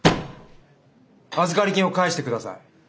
預かり金を返してください。